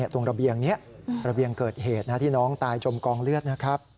ตรงระเบียงนี้ระเบียงเกิดเหตุที่น้องตายจมกองเลือดนะครับ